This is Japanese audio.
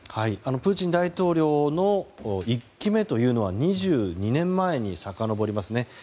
プーチン大統領の１期目は２２年前にさかのぼります。